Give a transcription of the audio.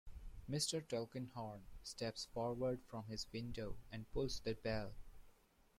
Mr. Tulkinghorn steps forward from his window and pulls the bell.